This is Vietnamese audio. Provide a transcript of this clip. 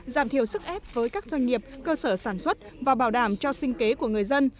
giảm thiểu sức ép với các doanh nghiệp cơ sở sản xuất và bảo đảm cho sinh kế của người dân